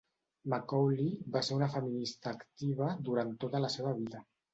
Macaulay va ser una feminista activa durant tota la seva vida.